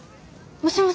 ☎もしもし？